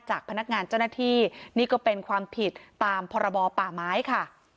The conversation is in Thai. จากพนักงานเจ้าหน้าที่นี่ก็เป็นความผิดตามพรบป่าไม้ค่ะ